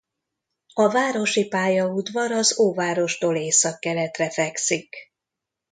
A városi pályaudvar az óvárostól északkeletre fekszik.